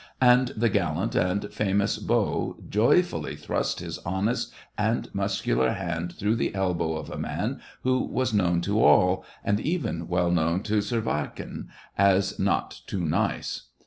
And the gallant and famous beau joyfully thrust his honest and muscu lar hand through the elbow of a man who was known to all, and even well known to Servyagin, as not too nice.